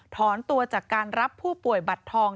ถอนตัวจากการรับผู้ป่วยบัตรทอง